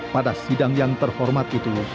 pada sidang yang terhormat itu